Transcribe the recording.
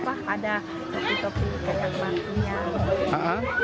ada topi topi kaya kematinya